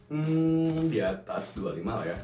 hmm diatas dua puluh lima lah ya